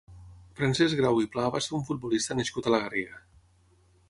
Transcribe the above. Francesc Grau i Pla va ser un futbolista nascut a la Garriga.